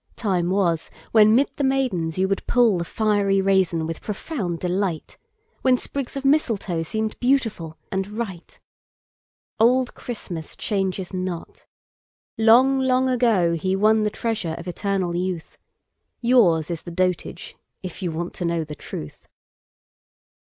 Time was when 'mid the maidens you would pullThe fiery raisin with profound delight; When sprigs of mistletoe seemed beautifulAnd right. Old Christmas changes not! Long, long agoHe won the treasure of eternal youth; Yours is the dotage—if you want to knowThe truth.